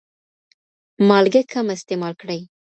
مالګه کمه استعمال کړئ.